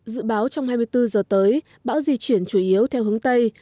dự báo trong hai mươi bốn giờ tới bão di chuyển chủ yếu theo hướng tây